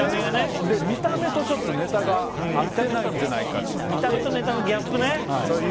見た目とちょっとネタが合ってないんじゃ見た目とネタのギャップね。